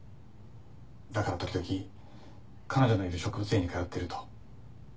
「だから時々彼女のいる植物園に通ってると」